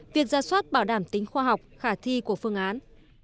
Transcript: việc ra soát bảo đảm tính khoa học khả thi của phương án